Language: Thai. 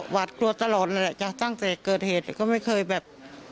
หวาดกลัวตลอดเลยจ้ะตั้งแต่เกิดเหตุก็ไม่เคยแบบ